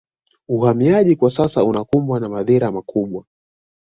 Uhamiaji kwa sasa unakumbwa na madhila makubwa